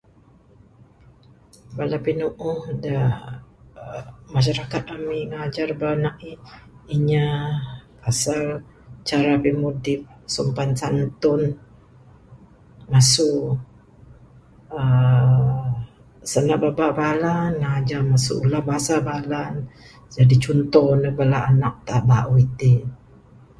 Bala pine'eh da, uhh masih cakap dengan mik najar bala na'ih, inya asal cara pimudip sopan santun, mesu uhh sendak bebak bala najah mesu ulah basa bala ne, sen jadi cuntoh la bala enak da bauh itik.